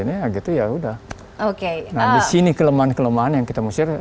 nah di sini kelemahan kelemahan yang kita musyarih